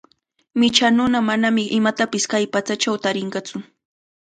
Micha nuna manami imatapish kay patsachaw tarinqatsu.